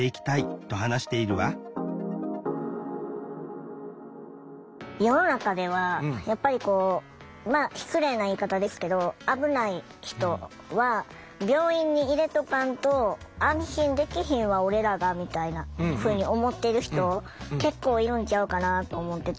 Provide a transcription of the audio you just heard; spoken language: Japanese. と話しているわ世の中ではやっぱりこう失礼な言い方ですけど「危ない人は病院に入れとかんと安心できひんわ俺らが」みたいなふうに思ってる人結構いるんちゃうかなあと思ってて。